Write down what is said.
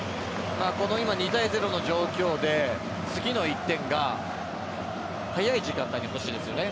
２対０の状況で次の１点が早い時間帯に欲しいですよね。